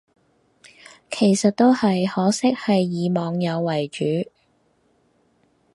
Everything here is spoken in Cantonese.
其實都係，可惜係以網友為主